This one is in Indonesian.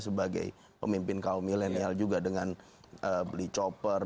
sebagai pemimpin kaum milenial juga dengan beli chopper